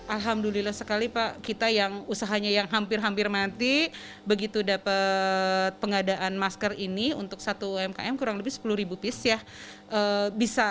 alhamdulillah sekali pak kita yang usahanya yang hampir hampir mati begitu dapat pengadaan masker ini untuk satu umkm kurang lebih sepuluh piece ya bisa